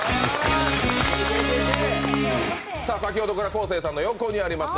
先ほどから昴生さんの横にあります